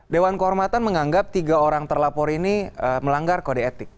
dewan kehormatan menganggap tiga orang terlapor ini melanggar kodex